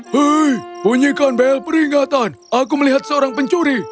hei bunyikan bel peringatan aku melihat seorang pencuri